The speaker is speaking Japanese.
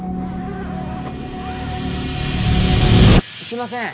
すいません